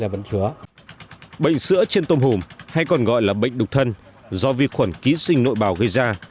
bệnh sữa trên tôm hùm hay còn gọi là bệnh đục thân do vi khuẩn ký sinh nội bào gây ra